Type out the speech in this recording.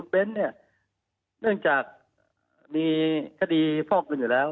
เน้นเนี่ยเนื่องจากมีคดีฟอกเงินอยู่แล้ว